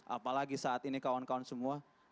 apalagi saat ini kawan kawan semua